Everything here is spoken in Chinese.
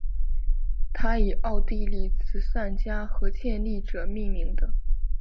它以奥地利慈善家和建立者命名的。